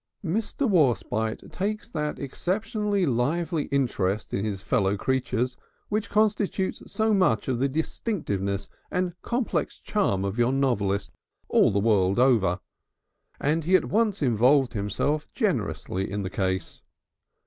Mr. Warspite takes that exceptionally lively interest in his fellow creatures which constitutes so much of the distinctive and complex charm of your novelist all the world over, and he at once involved himself generously in the case.